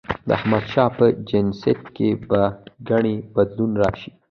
د احمد په جنسيت کې به ګنې بدلون راشي؟